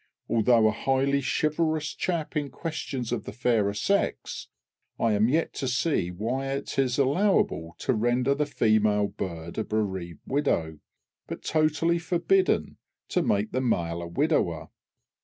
Although a highly chivalrous chap in questions of the fairer sex, I am yet to see why it is allowable to render the female bird a bereaved widow, but totally forbidden to make the male a widower!